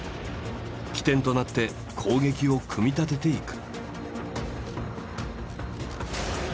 起点となって攻撃を組み立てていく。